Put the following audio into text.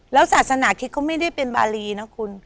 แล้วศาสนาคิดเขาไม่ได้เป็นบารีนะคุณ